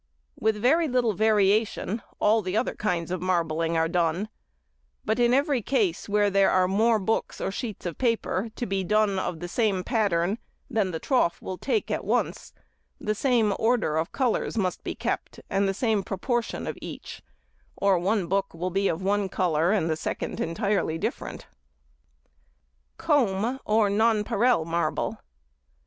With very little variation all the other kinds of marbling are done; but in every case where there are more books or sheets of paper to be done of the same pattern than the trough will take at once, the same order of colours must be kept, and the same proportion of each, or one book will be of one colour and the second entirely different. _Comb or Nonpareil Marble.